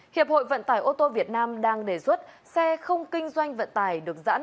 hiệp hội vận tải ô tô việt nam đang đề xuất xe không kinh doanh vận tải được giãn